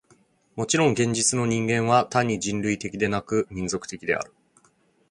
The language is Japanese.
もちろん現実の人間は単に人類的でなく、民族的である。